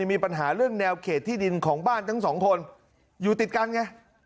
มีปัญหาเรื่องแนวเขตที่ดินของบ้านทั้งสองคนอยู่ติดกันไง